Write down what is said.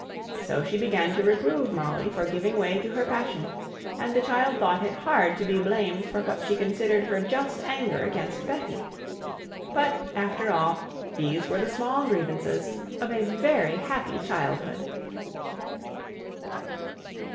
So she began to reprove Molly for giving way to her passion, and the child thought it hard to be blamed for what she considered her just anger against Betty. But, after all, these were the small grievances of a very happy childhood.